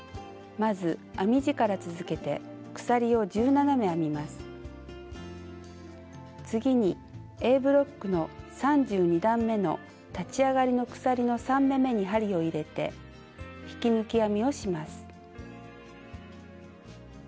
まず編み地から続けて次にＡブロックの３２段めの立ち上がりの鎖の３目めに針を入れて引き抜き編みをします。